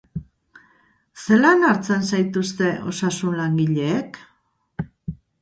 Zelan hartzen zaituzte osasun langileek?